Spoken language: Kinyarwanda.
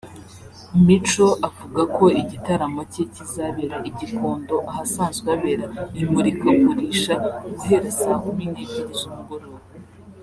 Mico avuga ko igitaramo cye kizabera i Gikondo ahasanzwe habera imurikagurisha guhera saa kumi n’ebyiri z’umugoroba